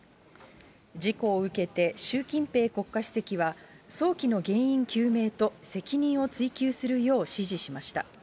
事故を受けて習近平国家主席は、早期の原因究明と責任を追及するよう指示しました。